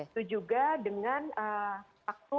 itu juga dengan waktu